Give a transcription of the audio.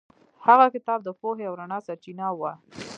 هغه کتاب د پوهې او رڼا سرچینه وه.